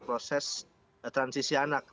proses transisi anak